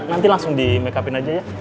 nanti langsung di make up in aja ya